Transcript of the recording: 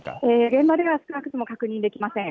現場では少なくとも確認できません。